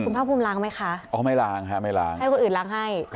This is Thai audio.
คุณพ่อคุณพ่อล้างไหมคะให้คนอื่นล้างให้